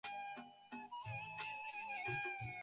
ওরা আমার মেয়ে - আরে, হে, হে, হে, হে!